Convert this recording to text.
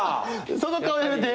その顔やめて。